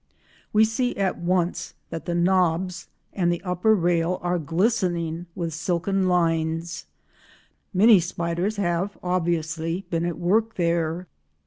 We see at once that the knobs, and the upper rail are glistening with silken lines; many spiders have obviously been at work there.